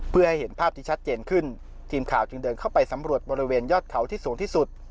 เพื่อให้เห็นภาพที่ชัดเจนขึ้นทีมข่าวจึงเดินเข้าไปสำรวจบริเวณยอดเขาที่สูงที่สุด